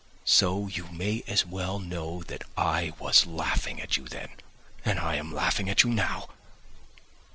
So you may as well know that I was laughing at you then. And I am laughing at you now.